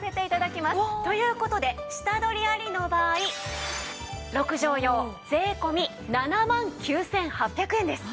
という事で下取りありの場合６畳用税込７万９８００円です。